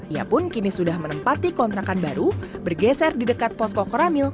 ia pun kini sudah menempati kontrakan baru bergeser di dekat posko keramil